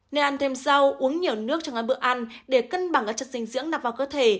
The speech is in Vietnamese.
nên ăn thêm rau uống nhiều nước cho các bữa ăn để cân bằng các chất dinh dưỡng nạp vào cơ thể